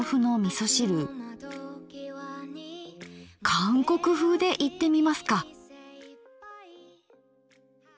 韓国風でいってみますか。